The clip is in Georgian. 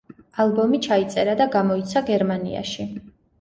ალბომი ჩაიწერა და გამოიცა გერმანიაში.